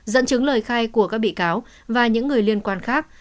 dẫn chứng lời khai của các bị cáo và những người liên quan khác